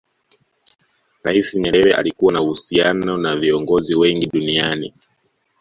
rais nyerere alikuwa na uhusiano na viongozi wengi duniani